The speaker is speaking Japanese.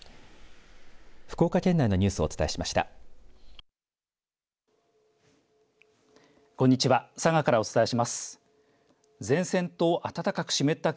福岡県内のニュースをお伝えしました。